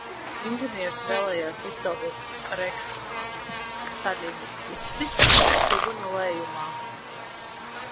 Inženieris vēlējās izcelties ar eksponātu, Staļina bisti, čuguna lējumā.